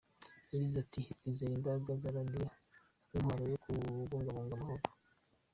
Yagize ati “Twizera imbaraga za Radio nk’intwaro yo kubungabunga amahoro.